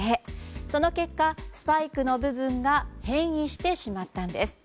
その結果、スパイクの部分が変異してしまったんです。